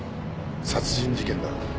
殺人事件だ。